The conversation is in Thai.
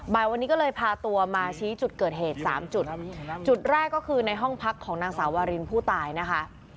บ่ายวันนี้ก็เลยพาตัวมาชี้จุดเกิดเหตุสามจุดจุดแรกก็คือในห้องพักของนางสาววารินผู้ตายนะคะ